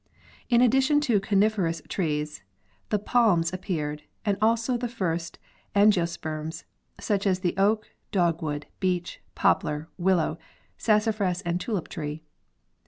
In addition to coniferous trees, the palms appeared, and also the first of angiosperms, such as the oak, dogwood, beech, poplar, willow, sassafras and tulip tree.